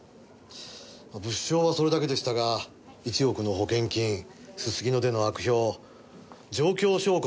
まあ物証はそれだけでしたが１億の保険金すすきのでの悪評状況証拠も揃っていましたので。